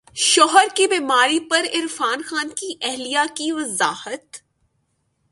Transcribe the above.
شوہر کی بیماری پر عرفان خان کی اہلیہ کی وضاحت